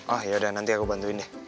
oh yaudah nanti aku bantuin deh